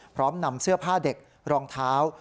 พร้อมนำเสื้อผ้าเด็กรองเท้า